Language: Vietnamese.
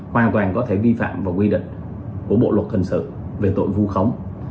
hoàn toàn có thể vi phạm vào quy định của bộ luật hình sự về tội vu khống